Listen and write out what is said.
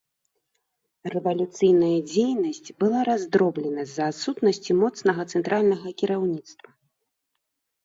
Рэвалюцыйная дзейнасць была раздроблена з-за адсутнасці моцнага цэнтральнага кіраўніцтва.